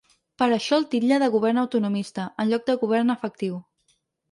Per això el titlla de govern autonomista, en lloc de govern efectiu.